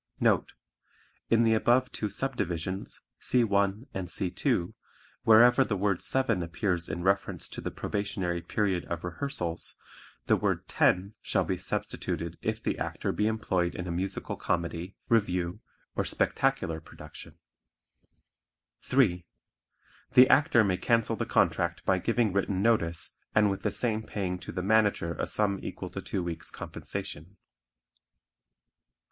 (Note: In the above two subdivisions (C 1 and C 2), wherever the word "seven" appears in reference to the probationary period of rehearsals the word "ten" shall be substituted if the Actor be employed in a musical comedy, revue or spectacular production.) (3) The Actor may cancel the contract by giving written notice and with the same paying to the manager a sum equal to two weeks' compensation.